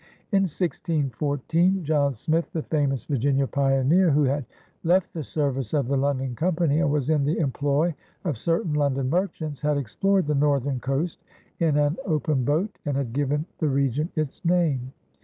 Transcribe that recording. In 1614, John Smith, the famous Virginia pioneer, who had left the service of the London Company and was in the employ of certain London merchants, had explored the northern coast in an open boat and had given the region its name.